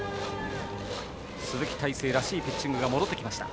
鈴木泰成らしいピッチングが戻ってきました。